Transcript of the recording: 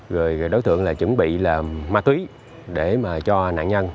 rồi đối tượng là chuẩn bị là ma túy để mà cho nạn nhân